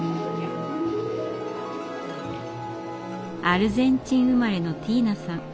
アルゼンチン生まれのティーナさん。